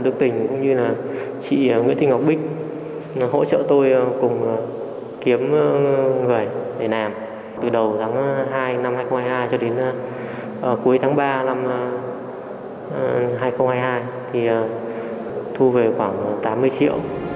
cuối tháng ba năm hai nghìn hai mươi hai thì thu về khoảng tám mươi triệu